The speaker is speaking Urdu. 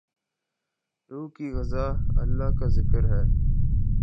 روح کی غذا اللہ کا ذکر ہے۔